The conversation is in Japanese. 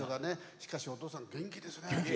しかしお父さん、元気ですね。